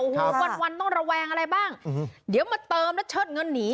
โอ้โหวันต้องระแวงอะไรบ้างเดี๋ยวมาเติมแล้วเชิดเงินหนี